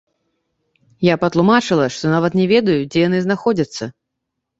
Я патлумачыла, што нават не ведаю, дзе яны знаходзяцца.